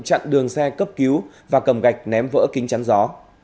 chặn đường xe cấp cứu và cầm gạch ném vỡ kính chắn gió